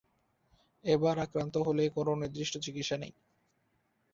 একবার আক্রান্ত হলে কোন নির্দিষ্ট চিকিৎসা নেই।